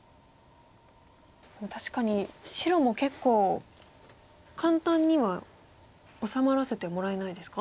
確かに白も結構簡単には治まらせてもらえないですか？